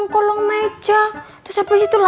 aku mau pergi dulu